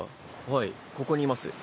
はいここにいます。